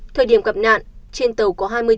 thời điểm gặp nạn trên tàu có hai người